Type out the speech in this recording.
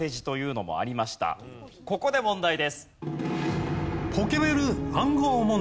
ここで問題です。